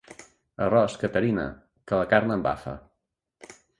Arròs, Caterina!, que la carn embafa.